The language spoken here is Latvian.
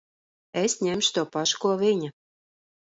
Es ņemšu to pašu, ko viņa.